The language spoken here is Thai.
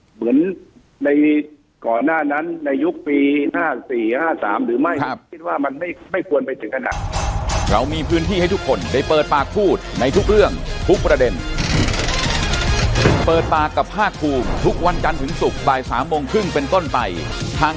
เหมือนในก่อนหน้านั้นในยุคปี๕๔๕๓หรือไม่คิดว่ามันไม่ควรไปถึงขนาด